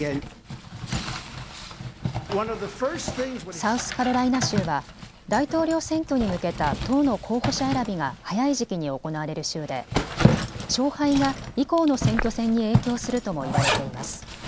サウスカロライナ州は大統領選挙に向けた党の候補者選びが早い時期に行われる州で勝敗が以降の選挙戦に影響するとも言われています。